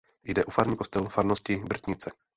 Jde o farní kostel farnosti Brtnice.